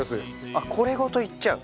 これごといっちゃう。